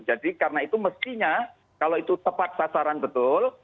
jadi karena itu mestinya kalau itu tepat sasaran betul